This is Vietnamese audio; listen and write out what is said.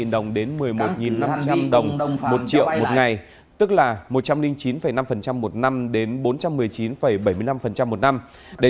đồng đến một mươi một năm trăm linh đồng một triệu một ngày tức là một trăm linh chín năm phần trăm một năm đến bốn trăm một mươi chín bảy mươi năm phần trăm một năm để